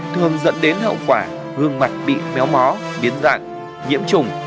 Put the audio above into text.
thường dẫn đến hậu quả gương mặt bị méo mó biến dạng nhiễm trùng